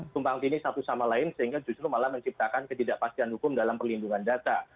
tumpang tindih satu sama lain sehingga justru malah menciptakan ketidakpastian hukum dalam perlindungan data